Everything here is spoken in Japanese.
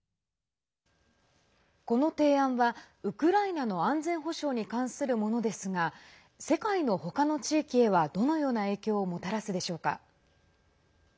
この提案はウクライナの安全保障に関するものですが世界の他の地域へはどのような影響をもたらすでしょうか？